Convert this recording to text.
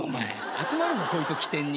集まるぞこいつ基点に。